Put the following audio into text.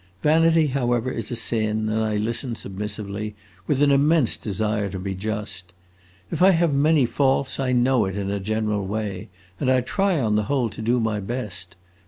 Vanity, however, is a sin, and I listen submissively, with an immense desire to be just. If I have many faults I know it, in a general way, and I try on the whole to do my best.